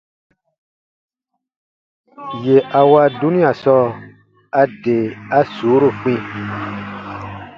Yè a wa dunia sɔɔ, a de a suuru kpĩ.